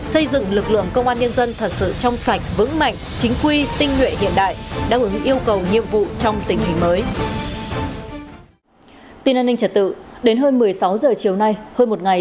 xây dựng lực lượng công an nhân dân thật sự trong sạch vững mạnh chính quy tinh nguyện hiện đại đáp ứng yêu cầu nhiệm vụ trong tình hình mới